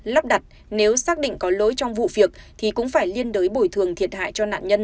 lắp đặt nếu xác định có lỗi trong vụ việc thì cũng phải liên đối bồi thường thiệt hại cho nạn nhân